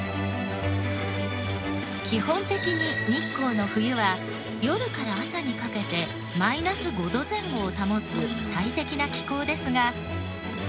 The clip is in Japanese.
基本的に日光の冬は夜から朝にかけてマイナス５度前後を保つ最適な気候ですが。